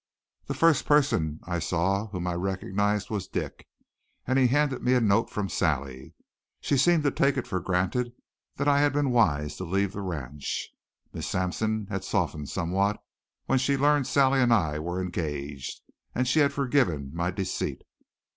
The first person I saw whom I recognized was Dick, and he handed me a note from Sally. She seemed to take it for granted that I had been wise to leave the ranch. Miss Sampson had softened somewhat when she learned Sally and I were engaged, and she had forgiven my deceit.